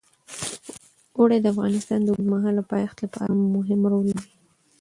اوړي د افغانستان د اوږدمهاله پایښت لپاره مهم رول لري.